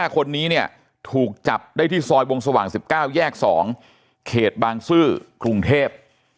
๕คนนี้เนี่ยถูกจับได้ที่ซอยวงสว่าง๑๙แยก๒เขตบางซื่อกรุงเทพ